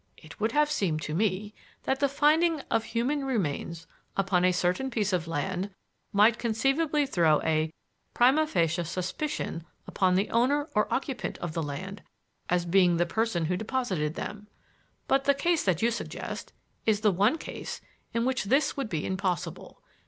It would have seemed to me that the finding of human remains upon a certain piece of land might conceivably throw a prima facie suspicion upon the owner or occupant of the land as being the person who deposited them. But the case that you suggest is the one case in which this would be impossible.